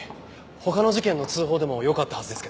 他の事件の通報でもよかったはずですけど。